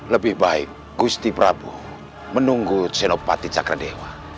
lebih baik gusti prabu menunggu senopati cakra dewa